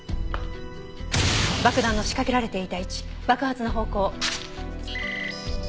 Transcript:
爆弾の仕掛けられていた位置爆発の方向。